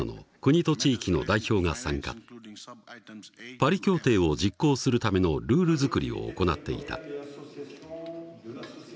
パリ協定を実行するためのルール作りを行っていた。